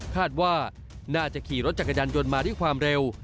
คาดว่าน่าจะขี่รถจักรยานยนต์มาด้วยความเร็ว